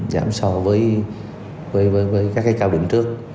giảm so với các cao điểm trước